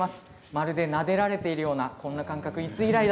まるでなでられているような感覚になります。